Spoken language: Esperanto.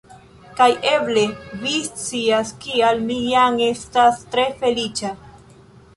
Kaj eble vi scias kial mi jam estas tre feliĉa